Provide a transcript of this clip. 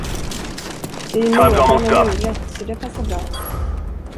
Det är ju nedan och mulet, så det passar bra.